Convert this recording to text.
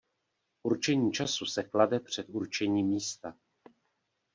Určení času se klade před určení místa.